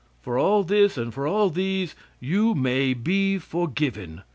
For all this, and for all these, you may be forgiven.